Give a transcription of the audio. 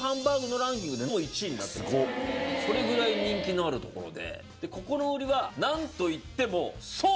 になってるそれぐらい人気のあるところで。